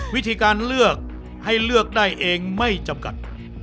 วิธีการเลือกให้เลือกได้เองไม่จำกัด